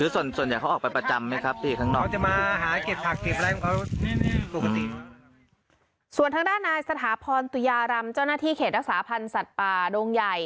ส่วนทางด้านนายสถาพรตุยารำเจ้าหน้าที่เขตรักษาพันธ์สัตว์ป่าดงใหญ่